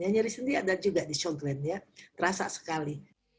nyaris sendi ada juga di sjogren terasa sekali